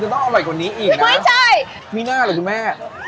ต้องอร่อยกว่านี้อีกนะไม่ใช่มีหน้าเหรอคุณแม่